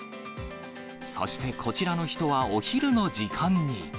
そしてこちらの人はお昼の時間に。